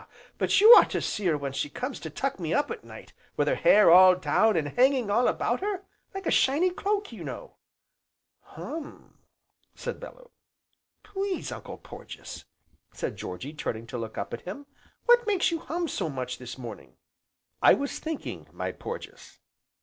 but you ought to see her when she comes to tuck me up at night, with her hair all down, an' hanging all about her like a shiny cloak, you know." "Hum!" said Bellew. "Please Uncle Porges," said Georgy, turning to look up at him, "what makes you hum so much this morning?" "I was thinking, my Porges."